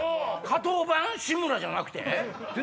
加藤版⁉志村じゃなくて？